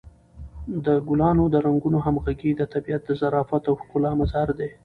د ګلانو د رنګونو همغږي د طبیعت د ظرافت او ښکلا مظهر دی.